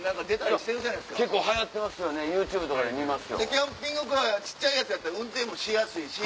キャンピングカー小っちゃいやつ運転もしやすいし。